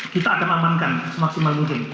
kita akan amankan semaksimal mungkin